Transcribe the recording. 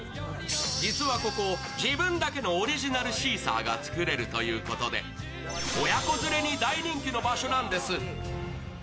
実はここ、自分だけのオリジナルシーサーが作れるということで親子連れに大人気の場所なんです。